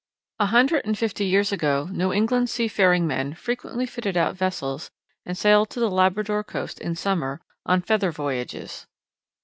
A hundred and fifty years ago New England sea faring men frequently fitted out vessels and sailed to the Labrador coast in summer on "feather voyages."